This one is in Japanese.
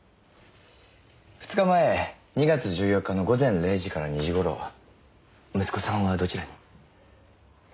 ２日前２月１４日の午前０時から２時頃息子さんはどちらに？